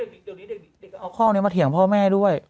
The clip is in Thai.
เด็กเอาข้องนี้มาเถียงพ่อแม่ด้วย